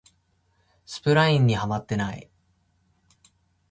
スプラインにハマってない